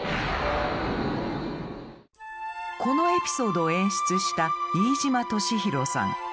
このエピソードを演出した飯島敏宏さん。